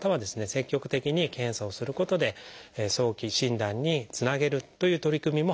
積極的に検査をすることで早期診断につなげるという取り組みも始まっています。